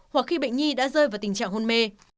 hoặc khi bệnh nhi đã rơi vào tình trạng hôn mê